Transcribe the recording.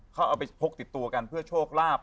เขาเอาไปพกติดตัวกันเพื่อโชคลาภ